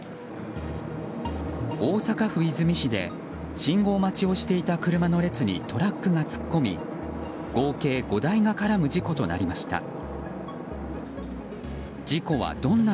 大阪府和泉市で信号待ちをしていた車の列にトラックが突っ込み合計５台が絡む事故となりました。